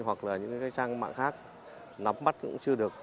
hoặc là những trang mạng